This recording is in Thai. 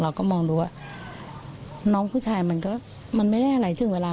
เราก็มองดูว่าน้องผู้ชายมันก็มันไม่ได้อะไรถึงเวลา